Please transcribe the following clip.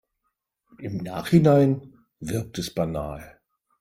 Im Nachhinein wirkt es banal.